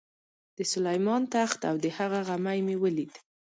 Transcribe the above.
د سلیمان تخت او د هغه غمی مې ولید.